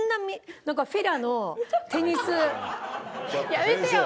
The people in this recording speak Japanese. やめてよ！